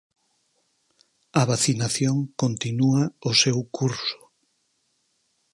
A vacinación continúa o seu curso.